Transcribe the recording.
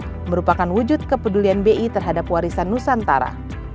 dan juga menyebabkan wujud kepedulian bi terhadap warisan nusantara